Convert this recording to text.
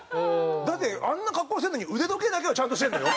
だってあんな格好してるのに腕時計だけはちゃんとしてるのよ？